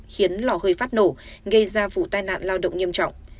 khiến lò hơi phát nổ gây ra vụ tai nạn lao động nghiêm trọng